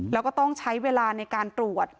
แล้วก็ต้องใช้เวลาในการตรวจ